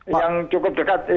yang cukup dekat